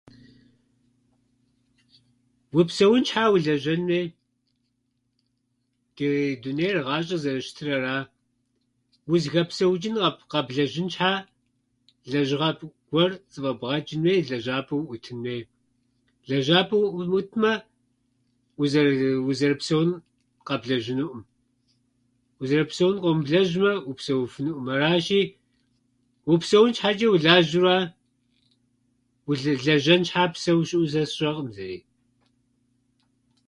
Упсэун щхьа улэжьэн хуей. Ди дунейр, гъащӏэр зэрыщытыр ара. Узыхэпсэучӏын къэб- къэблэжьын щхьэчӏэ лэжьыгъэ гуэр зыфӏэбгъэчӏын хуей, лэжьапӏэ уӏутын хуей. Лэжьапӏэ уӏумытмэ, узэры- узэрыпсэун къэблэжьынуӏым. Узэрыпсэун къыумылэжьмэ, упсэуфынуӏым. Аращи, упсэун щхьэчӏэ улажьэу ара. Лэжьэн щхьэчӏэ псэу щыӏэу сэ сщӏэӏым зыри.